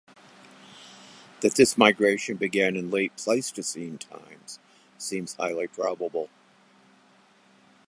That this migration began in late Pleistocene times seems highly probable.